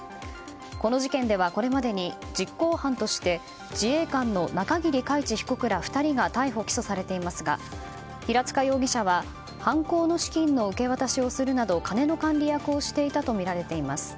この事件ではこれまでに実行犯として自衛官の中桐海知被告ら２人が逮捕・起訴されていますが平塚容疑者は犯行の資金の受け渡しをするなど金の管理役をしていたとみられています。